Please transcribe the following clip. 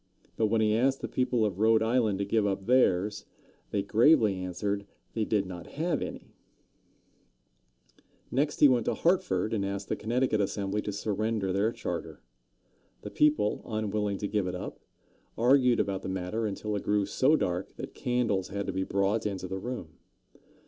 But when he asked the people of Rhode Island to give up theirs, they gravely answered they did not have any. [Illustration: The Charter Oak.] Next, he went to Hartford and asked the Connecticut Assembly to surrender their charter. The people, unwilling to give it up, argued about the matter until it grew so dark that candles had to be brought into the room.